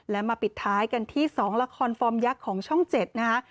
และมาปิดท้ายกันที่๒ละครฟอร์มยักษ์ของช่อง๗นะคะ